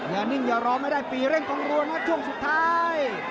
อย่านิ่งอย่ารอไม่ได้ปีเร่งกองรัวนะช่วงสุดท้าย